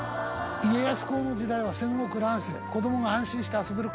家康公の時代は戦国乱世。